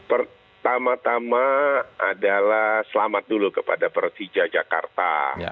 pertama tama adalah selamat dulu kepada persija jakarta